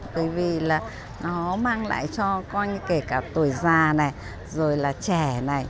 bởi vì là nó mang lại cho coi như kể cả tuổi già này rồi là trẻ này